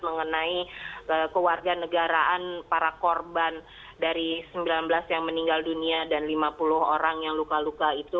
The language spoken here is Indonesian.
mengenai kewarganegaraan para korban dari sembilan belas yang meninggal dunia dan lima puluh orang yang luka luka itu